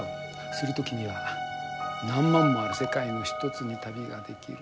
すると君は何万もある世界のひとつに旅ができる。